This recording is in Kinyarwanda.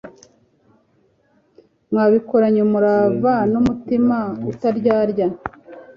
mwabikoranye umurava n'umutima utaryarya